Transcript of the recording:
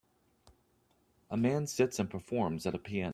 A man sits and performs at a piano